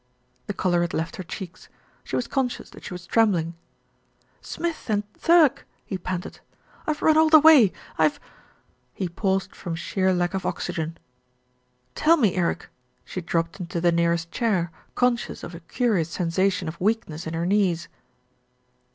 The colour had left her cheeks. She was conscious that she was trembling. "Smith and Thirk," he panted. "I've run all the way. I've " He paused from sheer lack of oxygen. "Tell me, Eric." She dropped into the nearest chair, conscious of a curious sensation of weakness in her knees.